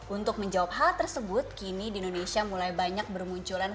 untuk menjawab hal tersebut kini di indonesia mulai banyak bermunculan